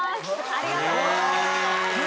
ありがとうございます。